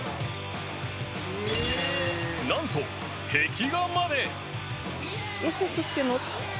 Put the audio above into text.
なんと壁画まで